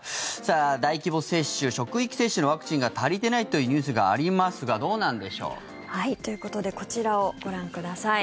大規模接種、職域接種のワクチンが足りてないというニュースがありますがどうなんでしょう？ということでこちらをご覧ください。